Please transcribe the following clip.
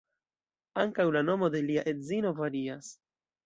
Ankaŭ la nomo de lia edzino varias.